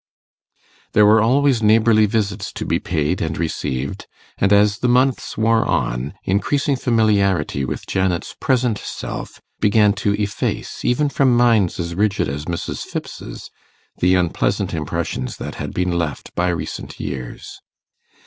There were always neighbourly visits to be paid and received; and as the months wore on, increasing familiarity with Janet's present self began to efface, even from minds as rigid as Mrs. Phipps's, the unpleasant impressions that had been left by recent years.